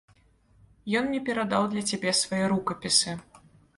Ён мне перадаў для цябе свае рукапісы.